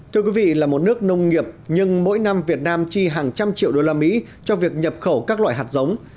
thưa quý vị là một nước nông nghiệp nhưng mỗi năm việt nam chi hàng trăm triệu đô la mỹ cho việc nhập khẩu các loại hạt giống